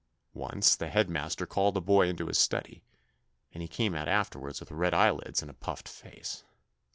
Once the headmaster called a boy into his study, and he came out afterwards with red eyelids and a puffed face.